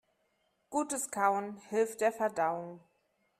Gutes Kauen hilft der Verdauung.